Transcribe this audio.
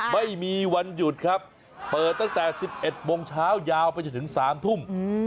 ไม่มีวันหยุดครับเปิดตั้งแต่๑๑โมงเช้ายาวไปจนถึง๓ทุ่ม